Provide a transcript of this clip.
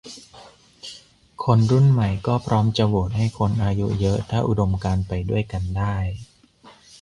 คนรุ่นใหม่ก็พร้อมจะโหวตให้คนอายุเยอะถ้าอุดมการณ์ไปด้วยกันได้